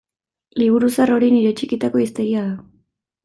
Liburu zahar hori nire txikitako hiztegia da.